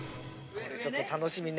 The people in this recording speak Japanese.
これちょっと楽しみね。